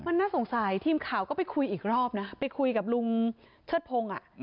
มันน่าสงสัยทีมข่าวก็ไปคุยอีกรอบนะไปคุยกับลุงเชิดพงศ์